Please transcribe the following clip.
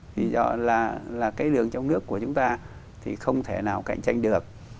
ví dụ là cái đường trong nước của chúng ta thì không thể nào cạnh tranh được